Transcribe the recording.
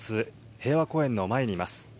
平和公園の前にいます。